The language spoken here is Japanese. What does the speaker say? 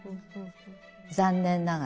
残念ながら。